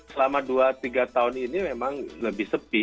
selama dua tiga tahun ini memang lebih sepi